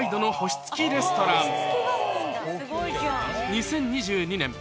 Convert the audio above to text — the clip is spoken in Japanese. ２０２２年